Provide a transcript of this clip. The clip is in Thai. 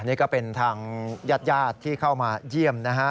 นี่ก็เป็นทางญาติญาติที่เข้ามาเยี่ยมนะฮะ